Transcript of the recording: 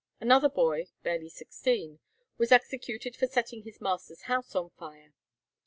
Another boy, barely sixteen, was executed for setting his master's house on fire.